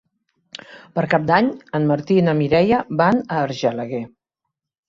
Per Cap d'Any en Martí i na Mireia van a Argelaguer.